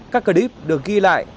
các clip được ghi lại